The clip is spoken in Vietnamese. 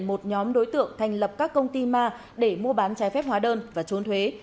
một nhóm đối tượng thành lập các công ty ma để mua bán trái phép hóa đơn và trốn thuế